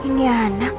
aduh ini anak